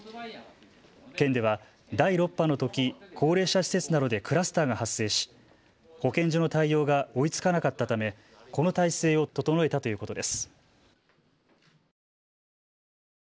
県では第６波のとき高齢者施設などでクラスターが発生し、保健所の対応が追いつかなかったためこの体制を整えたということです。